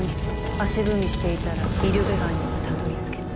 足踏みしていたらイルベガンにはたどりつけない。